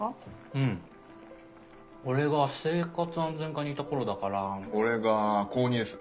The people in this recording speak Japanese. うん俺が生活安全課にいた頃だから俺が高２です